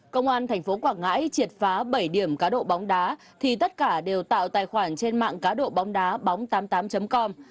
công an tp quảng ngãi triệt phá bảy điểm cá độ bóng đá thì tất cả đều tạo tài khoản trên mạng cá độ bóng đá bóng tám mươi tám com